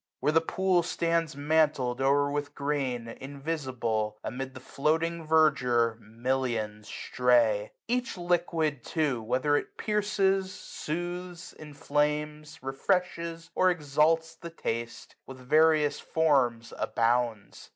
Where the pool Stands mantled o'er with green, invisible. Amid the floating verdure millions stray. 305 Each liquid too, whether it pierces, soothes. Inflames, refreshes, or exalts the taste. With various forms abounds.